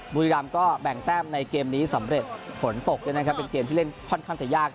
บุรีรำก็แบ่งแต้มในเกมนี้สำเร็จฝนตกเป็นเกมที่เล่นค่อนข้างจะยาก